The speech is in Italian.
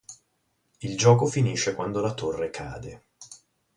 Il gioco finisce quando la torre cade.